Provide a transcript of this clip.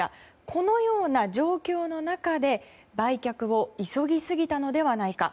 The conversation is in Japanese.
このような状況の中で売却を急ぎすぎたのではないか。